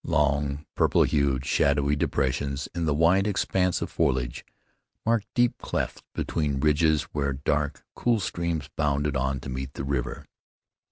Long, purple hued, shadowy depressions in the wide expanse of foliage marked deep clefts between ridges where dark, cool streams bounded on to meet the river.